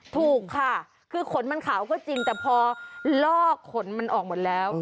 ถูกค่ะคือขนมันขาวก็จริงแต่พอลอกขนมันออกหมดแล้ว